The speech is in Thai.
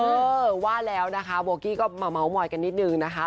เออว่าแล้วนะคะโบกี้ก็มาเมาส์มอยกันนิดนึงนะคะ